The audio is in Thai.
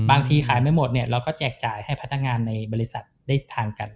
ขายไม่หมดเนี่ยเราก็แจกจ่ายให้พนักงานในบริษัทได้ทานกัน